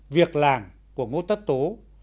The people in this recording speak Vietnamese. việc làng của ngô tất tố